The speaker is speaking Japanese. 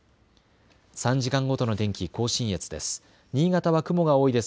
３時間ごとの天気、甲信越です。